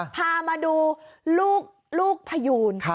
พามาดูลูกพยูน